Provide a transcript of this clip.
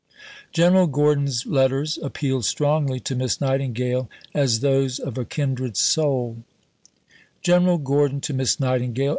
General Gordon's letters appealed strongly to Miss Nightingale as those of a kindred soul: (_General Gordon to Miss Nightingale.